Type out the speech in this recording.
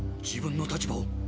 自分の立場を。